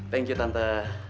thank you tante